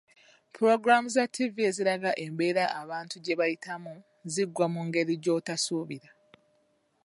Ppulogulaamu za TV eziraga embeera abantu gye bayitamu ziggwa mu ngeri gyotasuubira.